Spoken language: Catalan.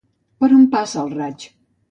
Per on passa el raig?